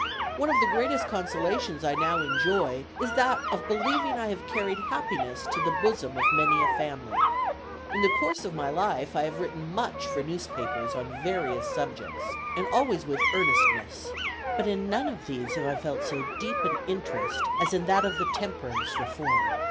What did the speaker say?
One of the greatest consolations I now enjoy is that of believing I have carried happiness to the bosom of many a family. In the course of my life I have written much for newspapers, on various subjects, and always with earnestness, but in none of these have I felt so deep an interest as in that of the temperance reform.